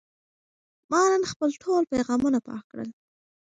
ما نن خپل ټول پیغامونه پاک کړل.